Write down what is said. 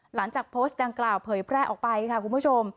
หลังจากโพสต์ดังกล่าวเผยแพร่ออกไปค่ะคุณผู้ชม